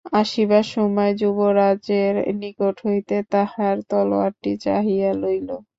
আসিবার সময় যুবরাজের নিকট হইতে তাঁহার তলোয়ারটি চাহিয়া লইল।